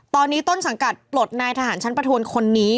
ตอนนี้ต้นสังกัดปลดนายทหารชั้นประทวนคนนี้